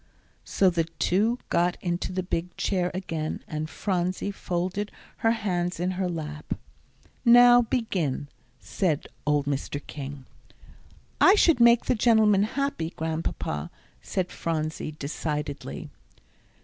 So the two got into the big chair again, and Phronsie folded her hands in her lap. "Now begin," said old Mr. King. "I should make the gentleman happy, Grandpapa," said Phronsie, decidedly.